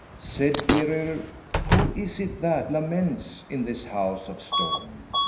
Said Gwrhyr, "Who is it that laments in this house of stone?"